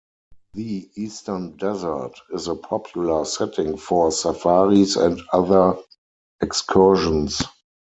The Eastern Desert is a popular setting for safaris and other excursions.